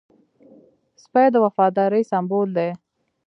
سپي د وفادارۍ سمبول دی.